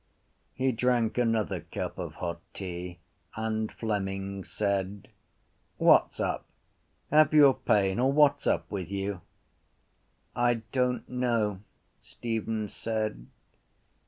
He drank another cup of hot tea and Fleming said: —What’s up? Have you a pain or what’s up with you? —I don’t know, Stephen said.